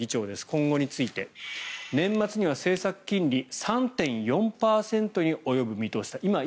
今後について年末には政策金利３．４％に及ぶ見通し